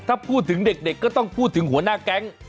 ถ้าพูดถึงเด็กก็ต้องพูดถึงหัวหน้าแก๊ง